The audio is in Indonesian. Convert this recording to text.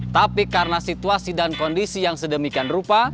tapi karena situasi dan kondisi yang sedemikian rupa